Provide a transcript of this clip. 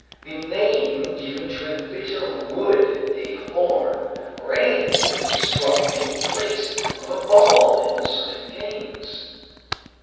_ The name given to a bit of wood, a horn, or anything which is struck in place of a ball in certain games.